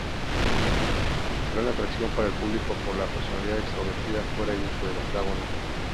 Gran atracción para el público por su personalidad extrovertida fuera y dentro del octágono.